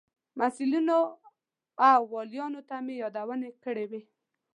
مسئولینو او والیانو ته مې یادونې کړې وې.